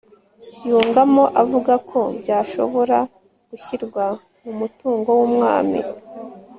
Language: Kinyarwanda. yungamo avuga ko byashobora gushyirwa mu mutungo w'umwami